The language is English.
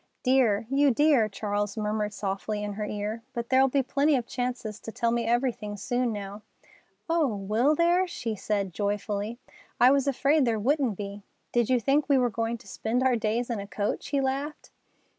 "Dear! You dear!" Charles murmured softly in her ear. "But there'll be plenty of chances to tell me everything soon now." "Oh, will there?" she said joyfully. "I was afraid there wouldn't be." "Did you think we were going to spend our days in a coach?" he laughed.